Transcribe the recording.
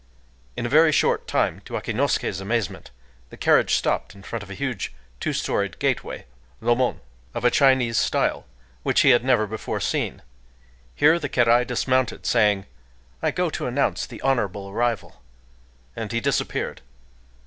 In a very short time, to Akinosuké's amazement, the carriage stopped in front of a huge two storied gateway (rōmon), of a Chinese style, which he had never before seen. Here the kérai dismounted, saying, "I go to announce the honorable arrival,"—and he disappeared.